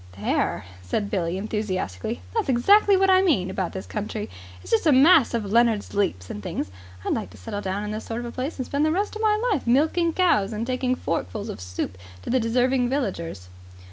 "There," said Billie enthusiastically, "that's exactly what I mean about this country. It's just a mass of Leonard's Leaps and things. I'd like to settle down in this sort of place and spend the rest of my life milking cows and taking forkfuls of soup to the deserving villagers."